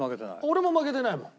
俺も負けてないもん。